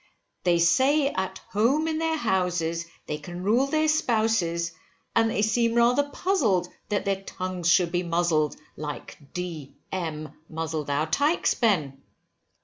They say, at home in their houses, they can rule their spouses, and they seem rather puzzled, that their tongues should be muzzled, like D M muzzled our tykes, Ben.